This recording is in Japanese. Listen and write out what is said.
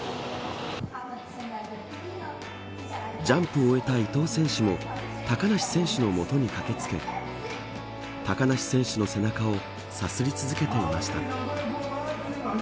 ジャンプを終えた伊藤選手も高梨選手の元に駆け付け高梨選手の背中をさすり続けていました。